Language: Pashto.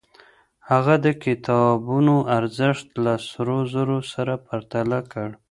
هغه د کتابونو ارزښت له سرو زرو سره پرتله کړ.